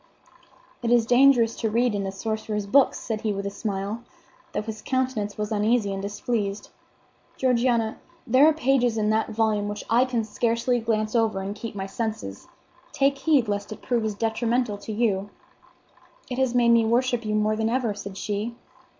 "It is dangerous to read in a sorcerer's books," said he with a smile, though his countenance was uneasy and displeased. "Georgiana, there are pages in that volume which I can scarcely glance over and keep my senses. Take heed lest it prove as detrimental to you." "It has made me worship you more than ever," said she.